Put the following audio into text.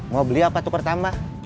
mau beli apa tukar tambah